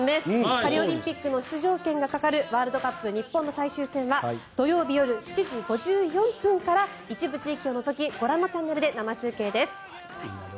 パリオリンピックの出場権がかかるワールドカップ日本の最終戦は土曜日夜７時５４分から一部地域を除きご覧のチャンネルで生中継です。